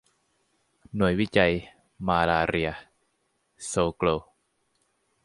หน่วยวิจัยมาลาเรียโซโกล